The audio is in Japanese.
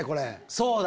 そうだ！